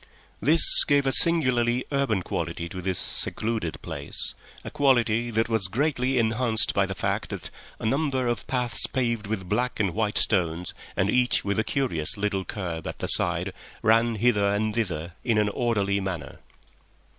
This gave a singularly urban quality to this secluded place, a quality that was greatly enhanced by the fact that a number of paths paved with black and white stones, and each with a curious little kerb at the side, ran hither and thither in an orderly manner.